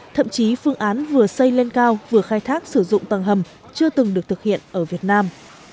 thậm chí phương án vừa xây lên cao vừa khai thác sử dụng tầng hầm chưa từng được thực hiện ở việt nam